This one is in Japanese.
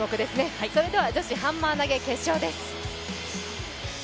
それでは女子ハンマー投決勝です。